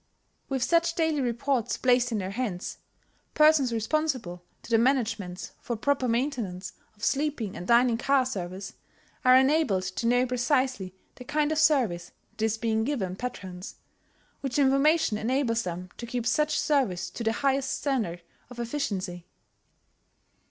With such daily reports placed in their hands, persons responsible to the managements for proper maintenance of sleeping and dining car service are enabled to know precisely the kind of service that is being given patrons, which information enables them to keep such service to the highest standard of efficiency.